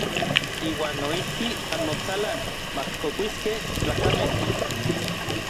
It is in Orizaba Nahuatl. Iuan noijki anmotsalan majkokuiskej tlakamej.